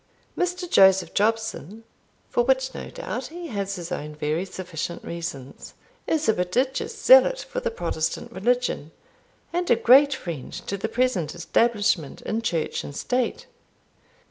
Mr. Joseph Jobson (for which, no doubt, he has his own very sufficient reasons) is a prodigious zealot for the Protestant religion, and a great friend to the present establishment in church and state.